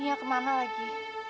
nia kemana lagi